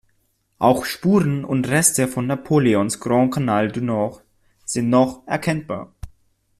Auch Spuren und Reste von Napoleons Grand Canal du Nord sind noch erkennbar.